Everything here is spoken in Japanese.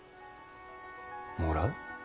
もらう？